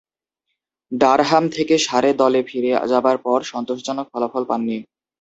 Durham থেকে সারে দলে ফিরে যাবার পর সন্তোষজনক ফলাফল পাননি।